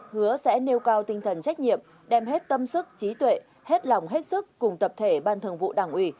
hứa sẽ nêu cao tinh thần trách nhiệm đem hết tâm sức trí tuệ hết lòng hết sức cùng tập thể ban thường vụ đảng ủy